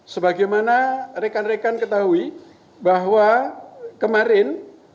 sebagaimana rekan rekan ketahui bahwa kemarin